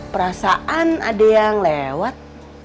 perasaan ada yang lewat